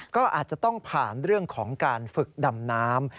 ก็อาจจะต้องผ่านเรื่องของการฝึกดำน้ำ